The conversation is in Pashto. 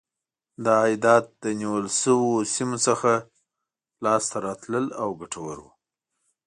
دا عایدات له نیول شویو سیمو څخه لاسته راتلل او ګټور و.